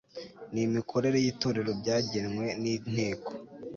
n imikorere y Itorero byagenwe n Inteko